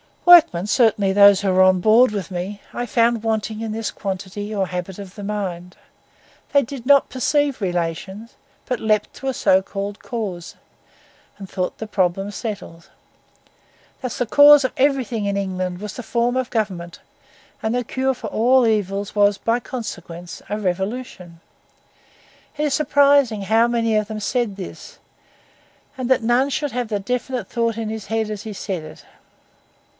Workmen, certainly those who were on board with me, I found wanting in this quality or habit of the mind. They did not perceive relations, but leaped to a so called cause, and thought the problem settled. Thus the cause of everything in England was the form of government, and the cure for all evils was, by consequence, a revolution. It is surprising how many of them said this, and that none should have had a definite thought in his head as he said it.